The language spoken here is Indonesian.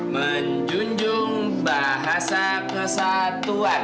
menjunjung bahasa kesatuan